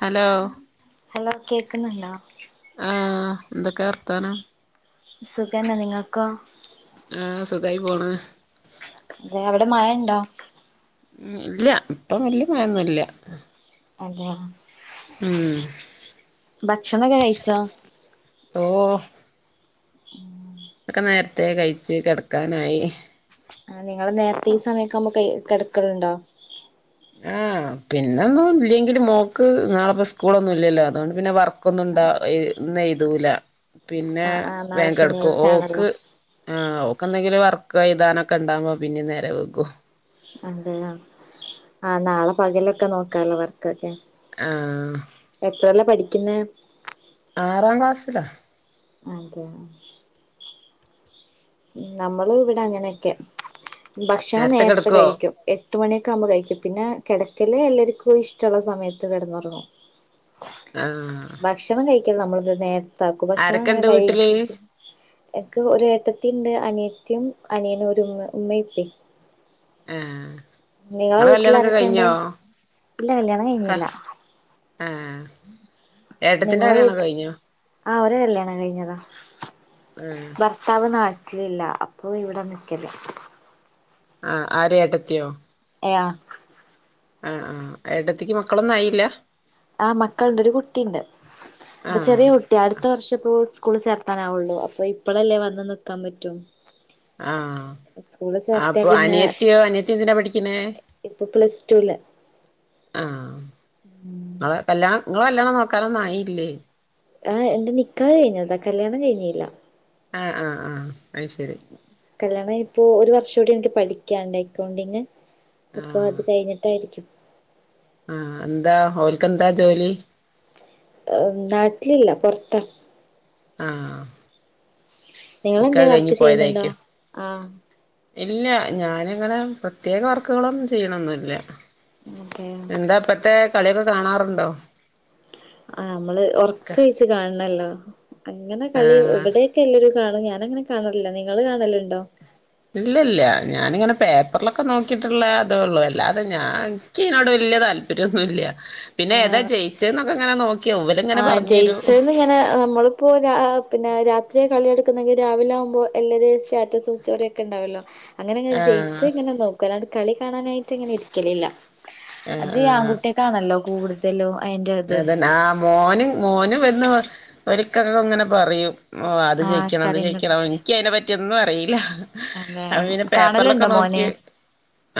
Hello hello കേക്കുന്നുണ്ടോ? ആഹ് എന്തൊക്കെ വർത്താനം? സുഖന്നെ നിങ്ങക്കോ? ആഹ് സുഖായി പോണ് അതെ അവിടെ മഴ ഉണ്ടോ ഉം ഇല്ല ഇപ്പം വല്യ മഴയൊന്നുംഇല്ല അതെയോ ഊം ഭക്ഷണക്കെ കഴിച്ചോ ഓഹ് അതൊക്കെ നേരത്തെ കഴിച്ച് കെടക്കാനായി ആഹ് നിങ്ങള് നേരത്തെ ഈ സമയമൊക്കെ ആകുമ്പോ കഴി കിടക്കലുണ്ടോ ആഹ് പിന്നൊന്നും ഇല്ലെങ്കിലും മോൾക്ക് നാളെപ്പോ സ്കൂളൊന്നും ഇല്ലല്ലോ അതുകൊണ്ട് പിന്നെ വർ ക്കൊന്നും ഉണ്ടാ ഇന്ന് എഴുതൂല പിന്നെ ആ ആ നാളെ വേഗം കെടക്കും ശനിയാഴ്ച ആണല്ലോ ഓക്ക് ആഹ് ഓക്കെന്തെങ്കിലും വർക്ക് എഴുതാനൊക്കെ ഉണ്ടാവുമ്പോ പിന്നെ നേരം വെഗും അതെയോ ആഹ് നാളെ പകലൊക്കെ നോക്കാലോ വർക്കൊക്കെ ആഹ് എത്രയിലാ പഠിക്കുന്നെ ആറാം ക്ലാസ്സിലാ അതെയോ ഉം നമ്മളും ഇവിടെ അങ്ങനക്കെയാ ഭക്ഷണം നേരത്തെ നേരത്ത കിടക്കുവോ കഴിക്കും എട്ട് മണിയൊക്കെ ആകുമ്പോ കഴിക്കും പിന്നെ കിടക്കല് എല്ലാർക്കും ഇഷ്ടമുള്ള സമയത്ത് കെടന്ന് ഉറങ്ങും ആഹ് ഭക്ഷണം കഴിക്കല് നമ്മളിത് നേരത്താക്കും ഭക്ഷണം അങ്ങനെ ആരൊക്കെണ്ട് വൈകി വീട്ടില് എനക്ക് ഒരു ഏട്ടത്തിയുണ്ട് അനിയത്തിയും അനിയനും ഒരു ഉമ്മ ഉമ്മയും ഉപ്പയും ആഹ് നിങ്ങളെ നിങ്ങടെ കല്യാണമൊക്കെ വീട്ടിലാരൊക്കെണ്ട് കഴിഞ്ഞോ ഇല്ല കല്യാണം കഴിഞ്ഞില്ല ആഹ് ഏട്ടത്തിന്റെ നിങ്ങളെ കല്യാണൊക്കെ വീട്ടില് കഴിഞ്ഞോ ആഹ് അവരെ കല്യാണം കഴിഞ്ഞതാ ആഹ് ഭർ ത്താവ് നാട്ടിലില്ല അപ്പോ ഇവിടെ നിക്കല് ആഹ് ആര് ഏട്ടത്തിയോ ഏ ആഹ് ആഹ് ഏട്ടത്തിക്ക് മക്കളൊന്നും ആയില്ല ആഹ് മക്കളുണ്ട് ഒരു കുട്ടിണ്ട് ഇപ്പോ ആഹ് ചെറിയ കു കുട്ടിയാ അടുത്ത വർഷം ഇപ്പോ സ്കൂളിൽ ചേർത്താനാവുള്ളൂ അപ്പോ ഇപ്പളല്ലേ വന്ന് നിൽക്കാൻ പറ്റു ആഹ് ചേർത്തിയാ അപ്പോ പിന്നെ അനിയത്തിയോ അനിയത്തി എന്തിനാ പഠിക്കണേ ഇപ്പൊ പ്ലസ് ടുല് ആഹ് നിങ്ങള് കല്യാണം നിങ്ങള് കല്യാണം നോക്കാനൊന്നും ആയില്ലേ ആഹ് എന്റെ നിക്കാഹ്‌ കഴിഞ്ഞതാ കല്യാണം കഴിഞ്ഞില്ല ആഹ് ആഹ് ആഹ് അത് ശരി കല്യാണം ഇപ്പോ ഒരു വർഷം കൂടി എനിക്ക് പഠിക്കാനൊണ്ട് അക്കൗണ്ടിങ്ങ് അപ്പോ ആഹ് അത് കഴിഞ്ഞിട്ടായിരിക്കും ആഹ് എന്താ ഓൽക്കെന്താ ജോലി നാട്ടിലില്ല പുറത്താ ആഹ് നിങ്ങളെന്തെ നിക്കാഹ് കഴിഞ്ഞ് വർക്ക് ചെയ്യുന്നുണ്ടോ പോയതായിരിക്കും ആഹ് ഇല്ല ഞാനിങ്ങനെ പ്രത്യേക വർക്കുകളൊന്നും ചെയ്യണൊന്നുംഇല്ല അതെ എന്താ ഇപ്പത്തെ കളിയൊക്കെ കാണാറുണ്ടോ ആഹ് നമ്മള് ക ഉറക്കം ഒഴിച്ച് കാണണല്ലോ അങ്ങനെ കളി ആഹ് ഇവിടെ ബാക്കി എല്ലാരും കാണും ഞാനങ്ങനെ കാണലില്ല നിങ്ങള് കാണലുണ്ടോ ഇല്ല ഇല്ല ഞാനിങ്ങനെ പേപ്പറിലൊക്കെ നോക്കിയിട്ടുള്ള അതേള്ളൂ അല്ലാതെ ഞാൻ എനിക്ക് ഇതിനോട് വലിയ താല്പര്യമൊന്നുമില്ല പിന്നെ ഏതാ ആഹ് ജയിച്ചന്നൊക്കെ അങ്ങനെ നോക്കി ഇരിക്കും ഇവരിങ്ങനെ പറഞ്ഞുതരും അങ്ങനെ നമ്മളിപ്പോൾ രാ പിന്നെ രാത്രി കളിടുക്കുന്നതെങ്കിൽ രാവിലെ ആകുമ്പോൾ എല്ലാവരും സ്റ്റാറ്റസും സ്റ്റോറി ണ്ടാവല്ലോ അങ്ങനെങ്ങനെ ജയിച്ച് ആഹ് ഇങ്ങനെ നോക്കും അഹ് കളി കാണാനായിട്ട് അങ്ങനെ ഇരിക്കലില്ല ആഹ് അത് ആഹ് ആൺകുട്ടിയക്കാണല്ലോ കൂടുതലും അതിന്റെ അതെന്നാ മോനും മോനും എന്ന് ഒരിക്കൊക്കെ ഇങ്ങനെ പറയൂ ഓ അത് ആഹ് ജയിക്കണം അത് കളിണ്ട് ജയിക്കണം എനക്ക് അതിനെ പറ്റിയൊന്നും അറിയില്ല എന്താ അവ പിന്നെ പേപ്പറിലൊക്കെ കാണലുണ്ടോ മോന് നോക്കി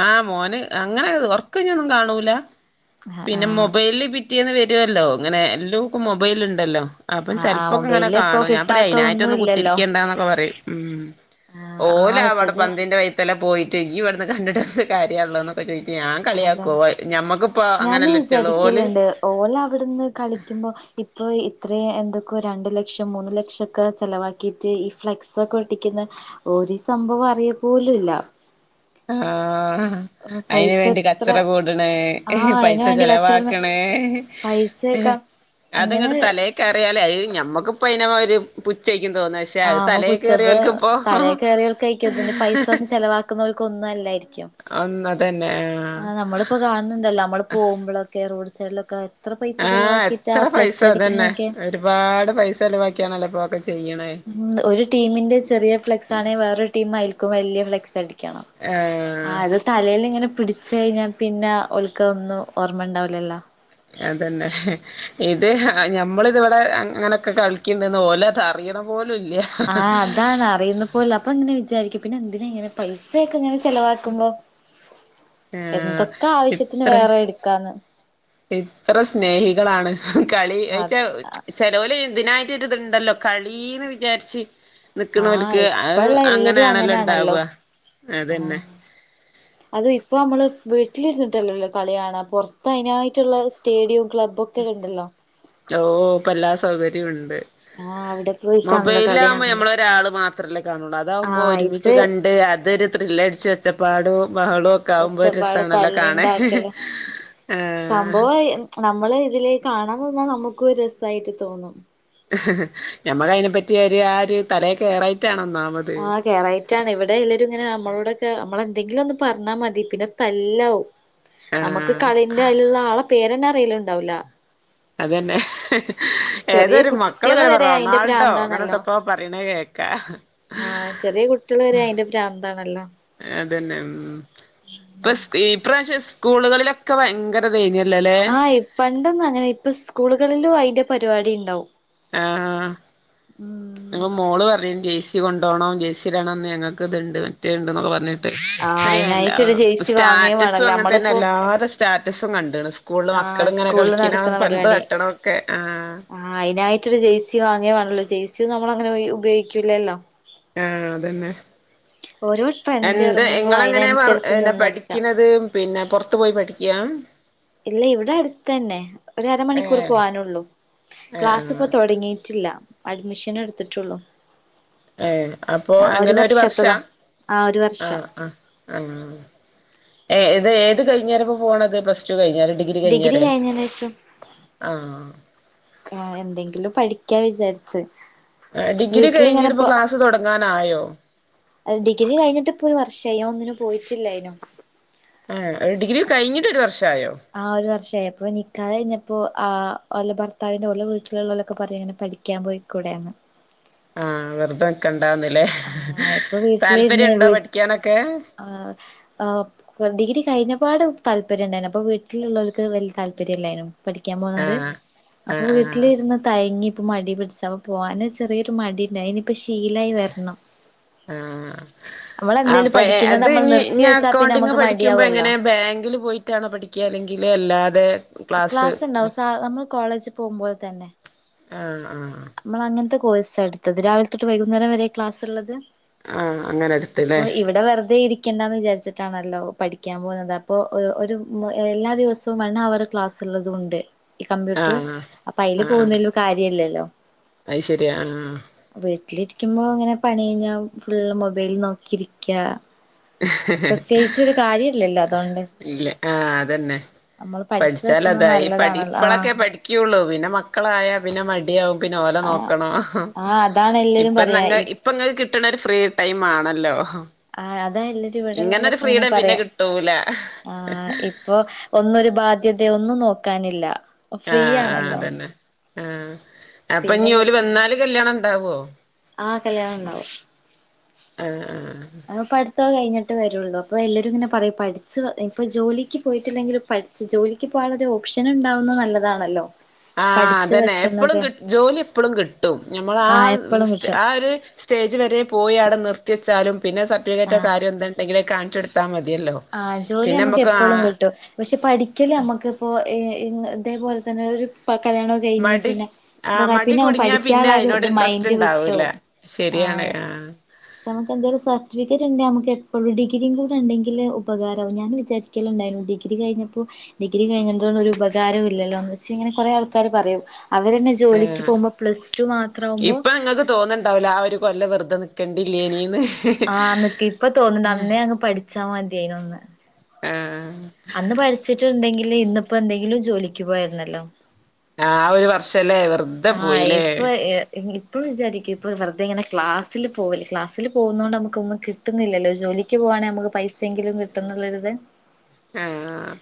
ആഹ് മോന് അങ്ങനെ ഉറക്കൊയ്‌ഞ്ഞെന്നും കാണൂല ആഹ് പിന്നെ ആഹ് മൊബൈല പറ്റന്ന് വരുമല്ലോ അങ്ങനെ എല്ലാവർക്കും മൊബൈല് ഉണ്ടല്ലോ അപ്പം ആഹ് ആഹ് ചെിലപ്പോക്കെ ഇങ്ങനെ മൊബൈലില് ഇപ്പോ കാണൂ ഞാൻ പറയാ കിട്ടാത്ത അതിനായിട്ട ഒന്നും ഒന്നന്ന് ഇല്ലല്ലോ കുത്തിരിക്കേണ്ടന്നൊക്കെ പറയും ഉം ആഹ് ഓല ആഹ് അവിടെ ഇപ്പത് പന്തതിറെ വയത്തെല്ലാം പോയിട്ട് ഇവിടുന്ന് കണ്ടിട്ടത് കാര്യള്ള ഇപ്പൊ ചോയിക്കും ഞാൻ അതാണ് കളിയാക്കും ഞമ്മക്കിപ്പോ അങ്ങനെല്ലച്ചള്ളൂ ഓല് ഓലെ അവിടുന്ന് കളിക്കുമ്പോ ഇപ്പൊ അത്രയും എന്തൊക്കോ രണ്ട് ലക്ഷം മൂന്ന് ലക്ഷമൊക്കെ ചിലവാക്കിയിട്ട് ഈ ഫ്ലെക്സൊക്കെ ഒട്ടിക്കുന്ന ഒരു സംഭവം അറിയ പോലും ഇല്ല ആഹ് ആഹ അയ്ന് പൈസ വേണ്ടി എത്ര കച്ചറ കൂട്ണ് ആഹ് അയിന് പൈസ വേണ്ടി കച്ചറ ചെലവാക്ക്ണ് പൈസയൊക്കെ അത്ങ്ങട്ട് ഇങ്ങനെ തലേക്കേറിയാല് അത് ഞമ്മക്ക് പ്പോ അയ്നൊരു പുച്ചെക്കും തോന്ന പ ആ അപ്പ പുച്ചം പ്പൊ തലേ കേറിയോൽക്കേക്കും ഇതിന്റെ പൈസൊന്ന് ചെലവാക്ക ക്ക്ന്നോൽക്കൊന്നുംല്ലാരിക്കും ഒന്നതന്നെ അ നമ്മള് പ്പൊ കാണ്ന്ന്ണ്ടല്ലോ മ്മള് പോമ്പൊളൊക്കെ റോഡ് സൈഡിലൊക്കെ എത്ര പൈസ ആഹ് ചെലവാക്കിട്ടാ ഫ്ലെക്സടിക്കുന്നതൊക്കെ രുപാട് പൈസ ചെലിവാക്ക്യാണല്ലോ പ്പ ഒക്കെ ചെയ്യ്ണ് ഉം ഒരു ടീമിന്റെ ചെറിയ ഫ്ലെക്സാണെ വേറൊരുടീം അയ്ൽക്കും വെല്യ ഫ്ലെക്സടിക്കണം ആ ആ അത് തലേല്ങ്ങനെ പിടിച്ചയ്ഞാ പിന്നെ ഓൽക്കഒന്നും ഓർമ്മണ്ടാവൂലല്ലോ അതെന്നെ ഇത് ഞമ്മള്ത്വടെ അങ്ങനൊക്കെ കളിക്കണ്ട്ന്ന് ഓല അറിയണ പോലുല്ല പോൽ അപ്പങ്ങനെ വിചാരിക്കും പിന്നെന്തിനങ്ങനെ പൈസയൊക്കെ ഇങ്ങനെ ചെലവാക്കുമ്പോ ആഹ് എന്തൊക്കാവശ്യത്തിന് ഇത്ര വേറെട് ക്കാന്ന് ഇത്ര സ്നേഹികളാണ് കളി ഏച്ചാ ആ ചെലോല് ത്നായിട്ടൊര് ത്ണ്ടല്ലോ കളിന്ന് വിചാരിച്ച് ആഹ് നിക്ക്ലോൽക്ക്‌ അത് ഇപ്പള്ള എല്ലരും അങ്ങനെണല്ലോ ണ്ടാവ അങ്ങനാണല്ലോ അതെന്നെ അതും പ്പ ഞമ്മള് വീട്ടിലിരുന്ന്ട്ടല്ലല്ലോ കളിയാണ പൊർത്ത് അയ്നായ്ട്ട്ള്ള സ്റ്റേഡിയോം ക്ലബ്ബ് ബൊക്കെ കണ്ടല്ലോ ഓ പ്പെല്ലാ സൗകര്യു ണ്ട് ആഹ് അവിടെ പോയിട്ടാണല്ലോ കളി മൊബൈലാവുമ്പം കാണല് ഞമ്മളൊരാള് മാ ത്രല്ലെ കാണുള്ളൂ അതാകുമ്പോ ആഹ് ഒരുമിച്ച് ഇത് കണ്ട് അതൊരു ത്രില്ലടിച്ച് ഒച്ചപ്പാടും ബഹളോ ക്കാവുമ്പോ ഒച്ചപ്പാട് ഒരെസാണല്ലോ കാണാൻ തല്ല്ണ്ടാക്കല് ആ സംഭവം നമ്മള് ഇതില് കാണാനിന്നാ നമ്മക്കും രസായിട്ട് തോന്നും ഞമ്മളയ്നെ പറ്റി ഒരു ആ ഒരു തലേ കേറായിട്ടാണൊന്നാമത് ആ കേറായി റ്റാണ് ഇവിടെ എല്ലരും ങ്ങനെ ഞമ്മളോടൊക്കെ ഞമ്മളെന്തെങ്കിലൊന്ന് പറഞ്ഞാ മതി പിന്നെ തല്ലാവും നമ്മക്ക് ആഹ് കളിന്റെ അയ്ല്ള്ള ആളെ പേരെന്നെ അറിയില്ണ്ടാവൂല അതെന്നെ ചെറിയ ഏതൊരു കുട്ടികള് മക്കൾങ്ങനെ പറ വരെ അയിന്റെ റൊണാൾഡോ അങ്ങനെന്തൊക്കെ പറയ്ണ കേക്കാ ആ ചെറിയ കുട്ട്യാള് വെരെ അയ്ന്റെ പ്രാന്താണല്ലോ അതെന്നെ ഉം പ്പൊ ഈ പ്രാശ്യം സ്കൂളുകളിലൊക്കെ ഭയങ്കര [unintelligible] ലേ പണ്ടൊന്നങ്ങനെ ഇപ്പ സ്കൂളുകളിലും അയ്ന്റെ പരിപാടി ണ്ടാവും ആ ഞങ്ങളെ മോള് പർഞ്ഞീന്നു ജെയ്സ് റ്റ് കൊണ്ടോണം ജേസിടണം ന്ന് ഞങ്ങക്ക്‌ത്ണ്ട് മറ്റേണ്ട് ന്നൊക്കെ പർഞ്ഞീന്നു ആഹ് അത്രയല്ല അയിനായിട്ടൊരു ജേഴ്സി വാങ്ങുകയും സ്റ്റാറ്റസും വേണല്ലോ അങ്ങൻത്തെന്നെ നമ്മളിപ്പോ എല്ലാരെ സ് സ്റ്റാറ്റസും കണ്ട്ണ് സ്കൂളില് ആഹ് മക്കള് ങ്ങനെ സ്കൂളിൽ കളിക്കണ പന്ത് തട്ട്ണൊക്കെ ആ ആ അയിനായിട്ടൊരു ജേയ്സി വാങ്ങാണല്ലോ ജേയ്സി ഒന്നും നമ്മളങ്ങനെ ഉപയോഗിക്കൂലല്ലോ ആ അതെന്നെ ഓരോ ട്രെൻഡ് എന്താ ഇറങ്ങുമ്പോ ഇങ്ങളെങ്ങനെ അയിനനുസരിച്ച് പറ നിന്നെടുക്കാം പഠിക്ക്‌ണത് പിന്നെ പൊർത്ത് പോയി പഠിക്കാ ഇല്ല ഇവിടെ അട്ത്തെന്നെ ഒര രമണിക്കൂർ ഏഹ് പോവാനുള്ളൂ ഏഹ് ക്ലാസ്സ് പ്പൊ ആഹ് തൊടങ്ങിട്ടില്ല അഡ്മിഷനെട്ത്ത്ട്ടൊള്ളു ഏ അപ്പൊ എങ്ങനെ ഒരു വർഷാ ആ ഒരു ആ വർഷം ആ ആ ഏത് കയ്ഞേരപ്പോ പോണത് പ്ലസ് ടു കയ്ഞേരോ ഡി ഗ്രി ഡിഗ്രി കയ്ഞ്ഞേരേ കഴിഞ്ഞതിന് ആ ആ എന്തെങ്കിലും പഠിക്കാ വിചാരിച്ച് ഡിഗ്രി വീട്ടിലിങ്ങനെ കഴിഞ്ഞിട്ടിപ്പോ ക്ലാസ് തൊടങ്ങാനായോ അത് ഡിഗ്രി കഴിഞ്ഞിട്ടിപ്പൊ ഒരു വർഷായി ഞാ ഒന്നിനും പോയിട്ടില്ലായിനു ആ ഡിഗ്രി കഴിഞ്ഞിട്ട് ഒരു വർഷായോ? ആ ഒരു വർഷമായി അപ്പോ നിക്കാഹ് കഴിഞ്ഞപ്പോ ആ ഓലെ ഭർത്താവിന്റെ ഓലെ വീട്ടിലുള്ളോലൊക്കെ പറയങ്ങനെ പഠി ക്ക്യാൻ പോയിക്കൂടെന്ന് ആ വെറുതെ നിക്കണ്ടാന്ന്ല്ലേ ആ ഇപ്പൊ വീട്ടിലിരുന്ന് താല്പര്യം ഉണ്ടോ വീ പഠിക്കാനൊക്കെ? ആഹ് ആഹ് ഡിഗ്രി കഴിഞ്ഞപാട് താല്പര്യം ഉണ്ടായിരുന്നു അപ്പൊ വീട്ടിലുള്ളവർക്ക് വലിയ താല്പര്യമല്ലായിരുന്നു പഠി ക്ക്യാൻ പോണത് ആഹ് ആഹ് അപ്പൊവീ ആഹ് ട്ട്ലിര്ന്ന് തയങ്ങി ഇപ്പ മടി പിടിച്ച് അപ്പ പോവാനൊരു ചെറിയൊരു മടിണ്ട് അത് നിപ്പോ ശീലായി വെരണം ആഹ് എന്തേലും അപ്പൊ പഠിക്കുന്നത് അത് നമ്മൾ ഇനി നിർത്തി ഇഞ്ഞി വെച്ചാ പിന്നെ അക്കൗണ്ടിംഗ് നമുക്ക് പഠിക്കുമ്പോ മടിയാവല്ലോ എങ്ങനെ ബാങ്കില് പോയി ഒറ്റാണോ പഠിക്ക അല്ലെങ്കിൽ അല്ലാതെ ക്ലാസ് ക്ലാസ്ണ്ടാവും സ നമ്മൾ കോളേജ് പോകുമ്പോലെ തന്നെ ആഹ് ആഹ് നമ്മള് അങ്ങനത്തെ കോഴ്സ് എടുത്തത് രാവിലെ തൊട്ട് വൈകുന്നേരം വരെ ക്ലാസ്ള്ളത് ആഹ് അങ്ങനെ എടുത്തല്ലേ ഇപ്പൊ ഇവിടെ വെറുതെ ഇരി രിക്കണ്ടാന്ന് വിചാരിച്ചിട്ടാണല്ലോ പഠിക്കാൻ പോകുന്നത് അപ്പൊ ഒ ഒരു എല്ലാ ദിവസവും വണ്ണ് അവറ് ക്ലാസ് ള്ളതും ഉണ്ട് ഈ കമ്പ്യൂട്ടർ ആഹ് അപ്പൊ അയിൽ പോകുന്നല്ലോ കാര്യല്ലല്ലോ അയ് ശരിയാ ആഹ് വീട്ടിലിരിക്കുമ്പോ ഇങ്ങനെ പണി കഴിഞ്ഞാ ഫുള് മൊബൈൽ നോക്കിയിരിക്ക പ്രത്യേകിച്ച് ഒരു കാര്യല്ലല്ലോ അതുകൊണ്ട് ഇല്ല ആഹ് അതന്നെ നമ്മൾ പഠിച്ചു പഠിച്ചാല് വെക്കുന്നത് അതായി പഠി നല്ലതാണല്ലോ ആഹ് ഇപ്പളൊക്കെ പഠിക്കുള്ളു പിന്നെ മക്കളായ പിന്നെ മടിയാവും പിന്നെ ഓലെ ആഹ് നോക്കണം ആഹ് അതാണ് എല്ലാരും ഇപ്പന്നെ പറയാ അങ്ങെ ഇപ്പം ഇങ്ങക്ക് കിട്ടണ ഒരു ഫ്രീ ടൈം ആണല്ലോ ആ അതാ എല്ലരും ഇവിടെ ഇങ്ങനൊരു ഉള്ളാലൊക്കെ ഇങ്ങനെ ഫ്രീഡം പിന്നെ പറയും കിട്ടൂല ആ ഇപ്പോ ഒന്നൊരു ബാധ്യതെ ഒന്നും നോക്കാനില്ല ആ ഫ്രീ ആ ആണല്ലോ അതന്നെ ആ അപ്പൊ പിന്നെ ഇനി ഓല് കുറച്ച് വന്നാല് കല്യാണം ഉണ്ടാവോ? ആ കല്യാണം ഉണ്ടാവും. ആഹ് ആഹ് പഠിത്തൊക്കെ കഴിഞ്ഞിട്ട് വരുള്ളൂ അപ്പൊ എല്ലാരും ഇങ്ങനെ പറയും പഠിച്ചോ ഇപ്പൊ ജോലിക്ക് പോയിട്ടില്ലെങ്കിലും പഠിച്ച് ജോലിക്ക് പോകാനുളള ഒരു ഓപ്ഷൻ ഉണ്ടാവുന്നത് നല്ലതാണല്ലോ. ആ പഠിച്ചു അതന്നെ എപ്പോളും വെക്കുന്നത് കി ജോലി എപ്പോളും കിട്ടും ഞമ്മൾ ആ എപ്പളും സ്റ്റാ കിട്ടും ആ ഒര് സ്റ്റേജ് വരെ പോയി അവിടെ നിർത്തി വച്ചാലും പിന്നെ ആ സർട്ടിഫിക്കറ്റോ കാര്യം എന്ത എന്തേലുണ്ടെങ്കിലിൽ കാണിച്ച് കൊടുത്താൽ മതിയല്ലോ ആ ജോലി പിന്നെ നമുക്ക് നമ്മുക്ക് ആ എപ്പോളും കിട്ടും പക്ഷെ പഠിക്കല് നമ്മക്ക് ഇപ്പൊ ഇതേപോലെ തന്നെ ഒരു കല്യാണം കഴിഞ്ഞ് മടി പിന്നെ ആ ഇതൊക്കെ മടി പിന്നെ കുടുങ്ങിയാ പിന്നെ പഠിക്കാനുള്ള ഒരു അതിനോട് ത് ഇൻട്രസ്റ്റ് മൈൻഡ് ഉണ്ടാവൂല വിട്ടോവും ആയ ശരിയാണ് ആഹ് ശ നമുക്കെന്തെലും സർട്ടിഫിക്കറ്റുണ്ടെ നമ്മക്കെപ്പോഴും ഡിഗിരിം കൂടെ ഉണ്ടെങ്കിൽ ഉപകാരാവു ഞാൻ വിചാ ക്കലണ്ടയ്ന്നു ഡിഗ്രി കഴിഞ്ഞപ്പോ ഡിഗ്രി കഴിഞ്ഞതോണ്ട് ഒരു ഉപകാരോല്ലല്ലോന്ന് വെച്ചിങ്ങനെ കൊറെ ആൾക്കാര് പറയും. അവെരെന്നെ ജോലിക്ക് ആഹ് പോവുമ്പോ പ്ലസ് ടു മാത്രാവുമ്പോ ഇപ്പൊ നിങ്ങൾക്ക് തോന്നുന്നുണ്ടാവൂല ആ ഒരു കൊല്ല വെറുതെ നിക്കണ്ടില്ലെയിനീന്ന്. ആ നിക്കി ഇപ്പൊ തോന്ന്ണ്ട് അന്നേ അങ്ങ് പഠിച്ചാ മതിയയ്നൂന്ന്. ആഹ് അന്ന് പരിച്ചിട്ടുണ്ടെങ്കില് ഇന്നിപ്പോ എന്തെങ്കിലും ജോലിക്ക് പോയായിരുന്നല്ലോ. ആ ഒരു വർഷലേ വെറുതെ പോയില്ലേ? ഇഇ ഇപ്പോവിചാരിക്കും ഇപ്പോ വെറുതെങ്ങനെ ക്ലാസില് പോവല്ലെ ക്ലാസ്സിൽ പോവുന്നോണ്ട് നമുക്കൊന്നും കി കിട്ടുന്നില്ലല്ലോ ജോലിക്ക് പോവാണെങ്കി നമക്ക് പൈസെങ്കിലും കിട്ടുന്നുള്ളരുത് ആഹ്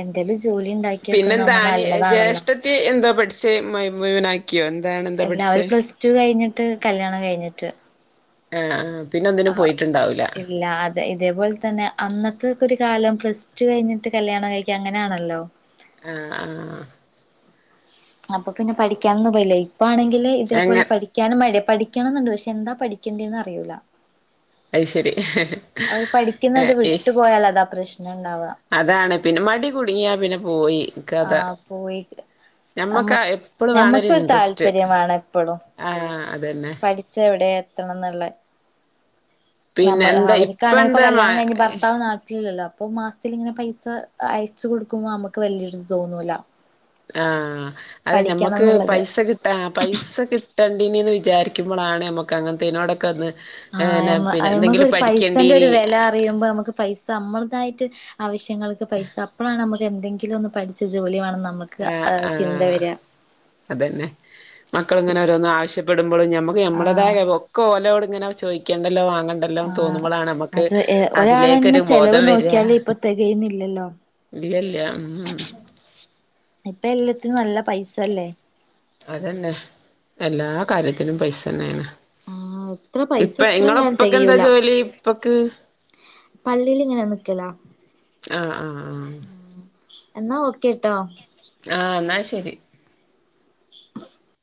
എന്തേലും ജോലി ഉണ്ടാക്കിയേക്കു നമ്മ നല്ലതാണല്ലോ. ത്തി എന്താ പഠിച്ചേ മുഴ് മുഴുവനാ ക്കിയോ എന്താണ് എന്താ പഠിച്ചേ എല്ലാവരും പ്ലസ് ടു കഴിഞ്ഞിട്ട് കല്യാണം കഴിഞ്ഞിട്ട്. ആഹ് ആഹ് പിന്നെന്തിനും പോയിട്ടുണ്ടാവൂല. തെ ഇതേപോലെ തന്നെ അന്നത്തെക്കൊരു കാലം പ്ലസ് ടു കഴിഞ്ഞിട്ട് കല്യാണം കഴിക്ക അങ്ങനാണല്ലോ. ആഹ് ആഹ് ആഹ് അപ്പൊ പിന്നെ പഠിക്കനൊന്നും പോയില്ലേ ഇപ്പ ആണെങ്കില് എങ്ങ ഇതേപോലെ പഠി ക്കാനുംമടി പഠിക്കണന്നുണ്ട് പക്ഷെ എന്താ പഠിക്കേണ്ടിന്ന് അറിയൂല്ല. അത് ശരി അവരു പഠിക്കുന്നത് ഏ വിട്ടുപോയലതാ പ്രശ്നണ്ടാവാ. അതാണ് പിന്നെ മടി കുടുങ്ങിയാ പിന്നെ പോയീ കഥ. ആഹ് പോയി ഞമ്മക്ക നമ്മ എപ്പളും വേണൊരു ഞമ്മക്കൊരു ഇൻട്രസ്റ്റ്. ആഹ് അതന്നെ പഠിച്ചവിടെ എത്തണന്നുള്ളെ പിന്നെ നമ്മ് എന്താ ഇപ്പ അവർക്കാണെങ്കിപൊ എന്താ മ കല്യാണ കഴിഞ്ഞ് ഭർത്താവ് നാട്ട് ട്ടില്ലല്ലോ അപ്പൊ മാസത്തിലിങ്ങനെ പൈസ അയച്ച് കൊടുക്കുമ്പോ നമുക്ക് വല്യയൊരുത് തോന്നൂല്ല. ആഹ് അത് ഞമ്മക്ക് എന്നുള്ളത് പൈസ കി ആഹ് പൈസ കിട്ടണ്ടിനിന്ന് വിചാരിക്കുമ്പളാണ് നമ്മക്ക് അങ്ങനെത്തിനോടൊക്കൊന്ന് ആഹ് യമ് അയമ്മക്കൊരു പൈസന്റെ ഒരു വെല യ്യുമ്പോ നമുക്ക് പൈസ നമ്മളെതായിറ്റ് ആവശ്യങ്ങൾക്ക് പൈസ അപ്പളാണ് നമുതെന്തെങ്കിലൊന്ന് പ ച്ച് ജോലി വാണന്നമ്മക്ക് ആഹ് ചിന്ത ആഹ് വെര. അതന്നെ മക്കളിങ്ങനെ ഓരോന്ന് ആവശ്യപ്പെടുമ്പളും ഞമ്മക്ക് ആഹ് ഞമ്മളതായ കോലോടെങ്ങനെ ചോയിക്കണ്ടല്ലോ വാങ്ങണ്ട് ല്ലാം ആഹ് തോന്നുമ്പളാണ് നമ്മക്ക് അത് ഒരാളന്നെ അതിലേക്കൊരു ചെലവ് ബോധം വെരാ. നോക്കിയാല് ഇപ്പൊ തികയുന്നില്ലല്ലോ ളിയല്ല ഉഹ് ഉഹ് ഇപ്പ എല്ലത്തിനും നല്ല പൈസല്ലേ? അതന്നെ എല്ലാ കാര്യത്തിനും പൈസന്നേണ്. ആഹ് എത്ര പൈസ ഇപ്പ എത്ര ഇങ്ങള ഉണ്ടായാലും ഇപ്പക്കെന്താ തികയൂല ജോലി ഇപ്പക്ക്? പള്ളിയിലിങ്ങനെ നിക്കലാ ആഹ് ആഹ് ആഹ് എന്നാ ഓക്കെ ട്ടോ ആഹ് എന്നാ ശരി.